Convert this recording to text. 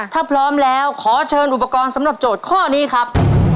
ถ้าพร้อมแล้วขอเชิญอุปกรณ์สำหรับโจทย์ข้อนี้ครับ